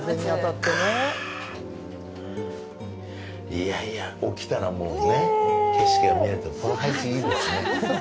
いやいや、起きたらもうね景色が見えるってこの配置、いいですね。